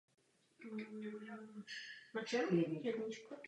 Česká republika se rozkládá na území čtyř geomorfologických oblastí.